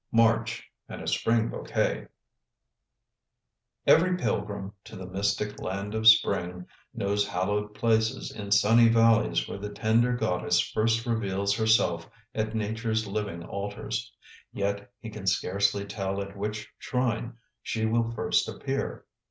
MARCH AND A SPRING BOUQUET Every pilgrim to the mystic land of spring knows hallowed places in sunny valleys where the tender goddess first reveals herself at Nature's living altars. Yet he can scarcely tell at which shrine she will first appear.